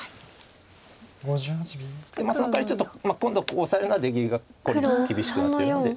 そのかわりちょっと今度ここオサえるのは出切りが厳しくなってるので。